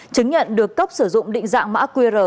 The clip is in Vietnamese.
chứng nhận được cấp sử dụng định dạng mã qr